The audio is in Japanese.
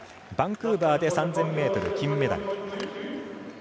バンクーバーで３０００ｍ金メダル。